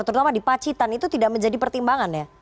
terutama di pacitan itu tidak menjadi pertimbangan ya